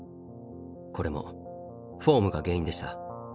これもフォームが原因でした。